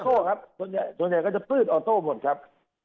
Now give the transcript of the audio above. โต้ครับส่วนใหญ่ก็จะพืชออโต้หมดครับ